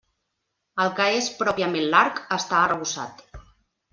El que és pròpiament l'arc està arrebossat.